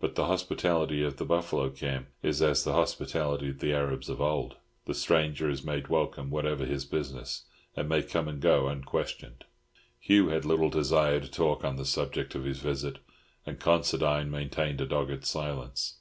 But the hospitality of the buffalo camp is as the hospitality of the Arabs of old—the stranger is made welcome whatever his business, and may come and go unquestioned. Hugh had little desire to talk on the subject of his visit, and Considine maintained a dogged silence.